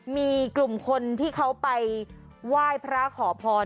มีกลุ่มคนที่เขาไปไหว้พระขอพร